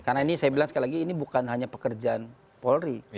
karena ini saya bilang sekali lagi ini bukan hanya pekerjaan polri